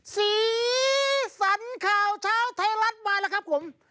สีสันข่าวเช้าไทยรัฐมาแล้วครับผม